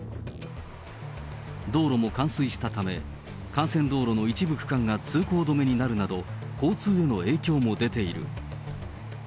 道路も冠水したため、幹線道路の一部区間が通行止めになるなど、交通への影響も出ている。